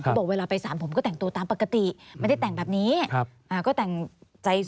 บอกเวลาไปสารผมก็แต่งตัวตามปกติไม่ได้แต่งแบบนี้ก็แต่งใจ